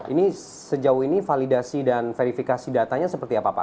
ini sejauh ini validasi dan verifikasi datanya seperti apa pak